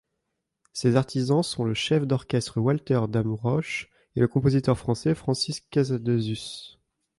Ses artisans sont le chef d'orchestre Walter Damrosch et le compositeur français Francis Casadesus.